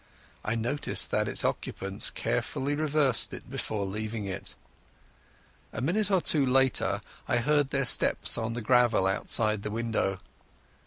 I noticed that its occupants carefully reversed it before leaving it. A minute or two later I heard their steps on the gravel outside the window.